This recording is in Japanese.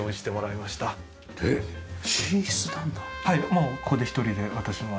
もうここで１人で私は寝て。